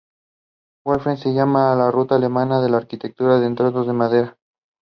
Sloan Freer of "Radio Times" awarded the film two stars out of five.